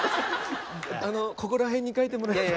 ここら辺に書いてもらえれば。